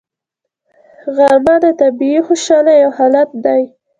غرمه د طبیعي خوشحالۍ یو حالت دی